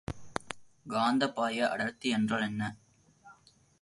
காந்தப்பாய அடர்த்தி என்றால் என்ன?